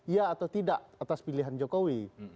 ya atau tidak atas pilihan jokowi